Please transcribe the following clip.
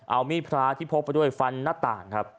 เอามีดพระที่พกไปด้วยฟันหน้าต่างครับ